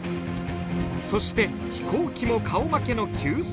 そして飛行機も顔負けの急旋回。